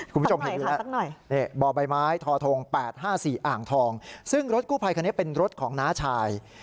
คุณผู้ชมเห็นอยู่แล้วบ่อใบไม้ทอทง๘๕๔อ่างทองซึ่งรถกู้ภัยคันนี้เป็นรถของน้าชาย